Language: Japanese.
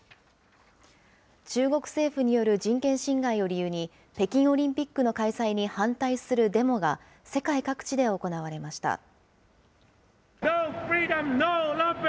中国政府による人権侵害を理由に、北京オリンピックの開催に反対するデモが世界各地で行われました。